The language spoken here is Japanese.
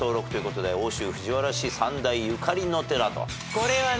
これはね。